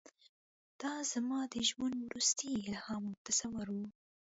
دا زما د ژوند وروستی الهام او تصور و.